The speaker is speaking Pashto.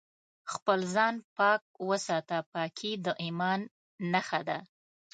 خپل ځان پاک وساته ، پاکي د ايمان نښه ده